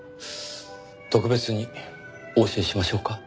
特別にお教えしましょうか？